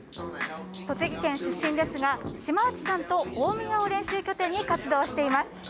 栃木県出身ですが嶋内さんと大宮を練習拠点に活動しています。